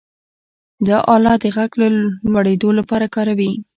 دا آله د غږ د لوړېدو لپاره کاروي.